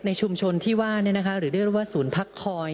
ชุมชนที่ว่าหรือเรียกได้ว่าศูนย์พักคอย